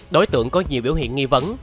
đối tượng có nhiều biểu hiện nghi vấn